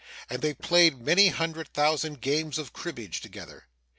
And they played many hundred thousand games of cribbage together.